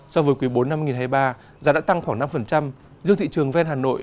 so với quý bốn năm hai nghìn hai mươi ba giá đã tăng khoảng năm giữa thị trường ven hà nội